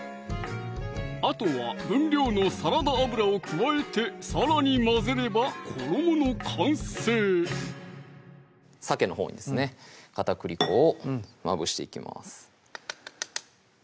あとは分量のサラダ油を加えてさらに混ぜれば衣の完成さけのほうにですね片栗粉をまぶしていきます